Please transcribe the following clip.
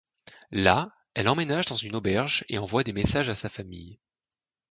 Là, elle emménage dans un auberge et envoie des messages à sa famille.